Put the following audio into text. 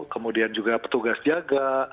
kemudian juga petugas jaga